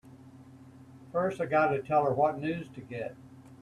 First I gotta tell her what news to get!